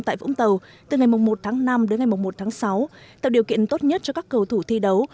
tại vũng tàu từ ngày một tháng năm đến ngày một tháng sáu tạo điều kiện tốt nhất cho các cầu thủ thi đấu